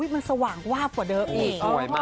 มันสว่างวาบกว่าเดิมอีก